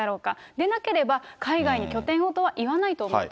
でなければ海外に拠点をと言わないと思うと。